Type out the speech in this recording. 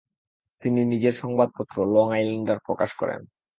তিনি নিজের সংবাদপত্র লং আইল্যান্ডার প্রকাশ করেন।